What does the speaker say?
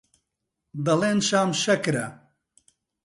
دەڵێن شام شەکرە